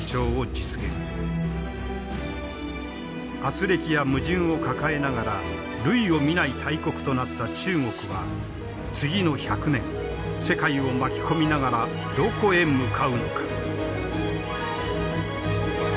あつれきや矛盾を抱えながら類を見ない大国となった中国は次の１００年世界を巻き込みながらどこへ向かうのか。